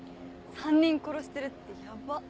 ３人殺してるってヤバっ！